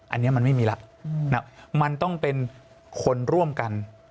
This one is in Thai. อันนี้มันไม่มีแล้วมันต้องเป็นคนร่วมกัน